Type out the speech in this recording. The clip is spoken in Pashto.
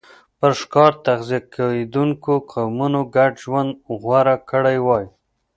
پر ښکار تغذیه کېدونکو قومونو ګډ ژوند غوره کړی وای.